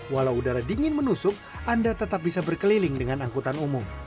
walau udara dingin menusuk anda tetap bisa berkeliling dengan angkutan umum